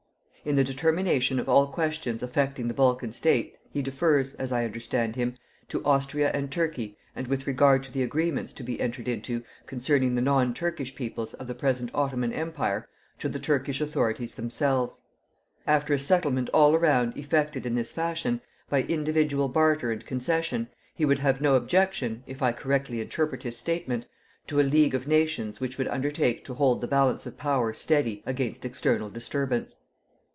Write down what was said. In the determination of all questions affecting the Balkan states he defers, as I understand him, to Austria and Turkey and with regard to the agreements to be entered into concerning the non Turkish peoples of the present Ottoman Empire, to the Turkish authorities themselves. After a settlement all around effected in this fashion, by individual barter and concession, he would have no objection, if I correctly interpret his statement, to a league of nations which would undertake to hold the balance of power steady against external disturbance.